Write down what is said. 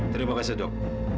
terima kasih dok